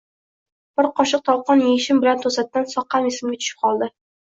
Bir qoshiq tolqon yeyishim bilan to‘satdan soqqam esimga tushib qoldi.